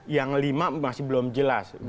yang lima masih belum jelas